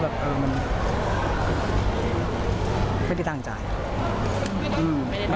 ไม่ได้ตั้งใจ